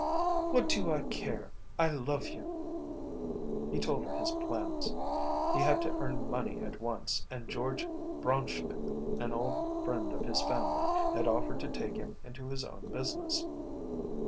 "What do I care? I love you." He told her his plans. He had to earn money at once, and George Braunschmidt, an old friend of his family, had offered to take him into his own business.